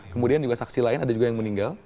kemudian juga saksi lain ada juga yang meninggal